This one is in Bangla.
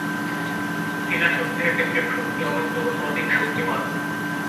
ঘৃণাশক্তি হইতে প্রেমশক্তি অনন্তগুণ অধিক শক্তিমান্।